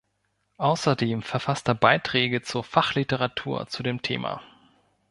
Außerdem verfasst er Beiträge zur Fachliteratur zu dem Thema.